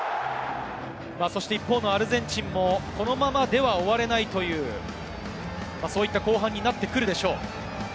一方のアルゼンチンもこのままでは終われないというそういった後半になってくるでしょう。